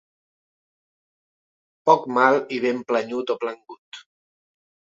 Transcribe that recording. Poc mal i ben planyut o plangut.